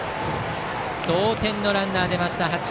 同点のランナー出ました。